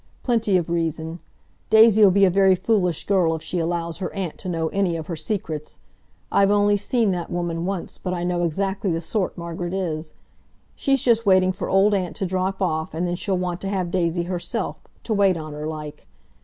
"Plenty of reason. Daisy'll be a very foolish girl if she allows her aunt to know any of her secrets. I've only seen that woman once, but I know exactly the sort Margaret is. She's just waiting for Old Aunt to drop off and then she'll want to have Daisy herself—to wait on her, like.